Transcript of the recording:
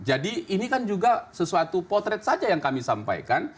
jadi ini kan juga sesuatu potret saja yang kami sampaikan